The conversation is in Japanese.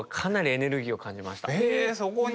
えそこに？